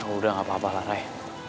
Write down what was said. yaudah nggak apa apalah ray